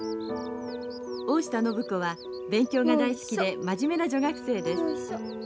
大下靖子は勉強が大好きで真面目な女学生です。